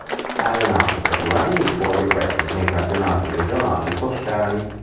Ha allenato per due anni il Cuoiopelli nei campionati regionali toscani.